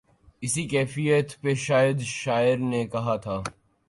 اسی کیفیت پہ شاید شاعر نے کہا تھا۔